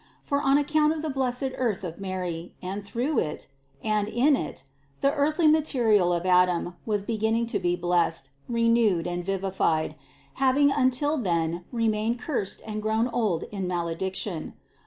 For on ac count of the blessed earth of Mary and through it, and in it, the earthly material of Adam was beginning to be blessed, renewed and vivified, having until then re mained cursed and grown old in malediction.